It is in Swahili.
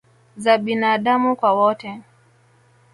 za binaadamu kwa wote